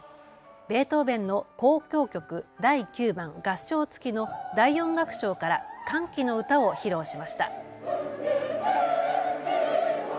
ベートーヴェンの交響曲第９番合唱付きの第４楽章から歓喜の歌を披露しました。